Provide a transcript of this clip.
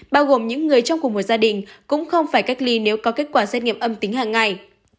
bao gồm những người trong cùng một gia đình cũng không phải cách ly nếu có kết quả xét nghiệm âm tính hàng ngày